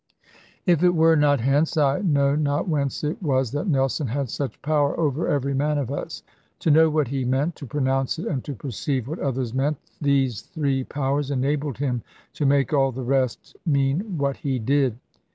If it were not hence, I know not whence it was that Nelson had such power over every man of us. To know what he meant, to pronounce it, and to perceive what others meant, these three powers enabled him to make all the rest mean what he did.